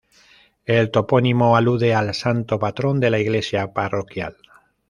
El topónimo alude al santo patrón de la iglesia parroquial.